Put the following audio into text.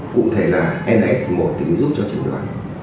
cụ thể là ns một thì mới giúp cho chẩn đoán